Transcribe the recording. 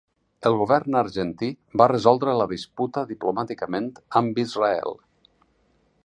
El govern argentí va resoldre la disputa diplomàticament amb Israel.